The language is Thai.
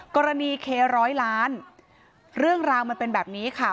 กรณีเคร้อยล้านเรื่องราวมันเป็นแบบนี้ค่ะ